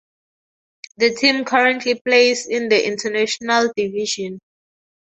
The team currently plays in the International Division.